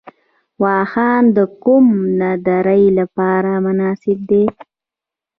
واخان د کوه نوردۍ لپاره مناسب دی